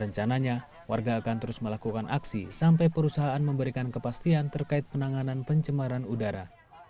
rencananya warga akan terus melakukan aksi sampai perusahaan memberikan kepastian terkait penanganan pencemaran udara